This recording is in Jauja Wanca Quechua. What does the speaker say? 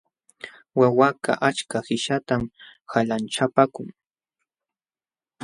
Wawakaq achka qishatam qanlachapaakun.